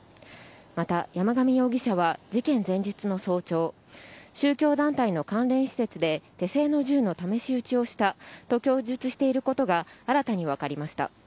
また、山上容疑者は事件前日の早朝、宗教団体の関連施設で手製の銃の試し撃ちをしたと供述していることが、新たに分かりました。